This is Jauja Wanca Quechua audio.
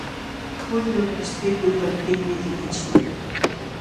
Quyllur aspikuykaptinmi likachikun.